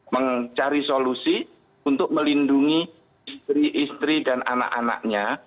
mencari solusi untuk melindungi istri istri dan anak anaknya